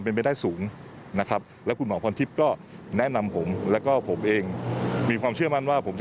มอบให้การพันธการสอบสวนได้อีก